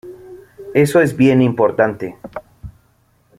Eso es bien importante.